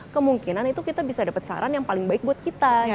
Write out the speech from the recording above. kemungkinan itu kita bisa dapat saran yang paling baik buat kita